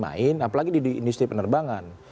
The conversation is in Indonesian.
apalagi di industri penerbangan